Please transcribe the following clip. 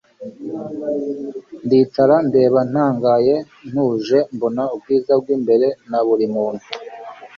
Ndicara ndeba ntangaye ntuje mbona ubwiza bwimbere na buri muntu